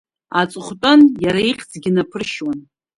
Аҵыхәтәан иара ихьӡгьы наԥыршьуан.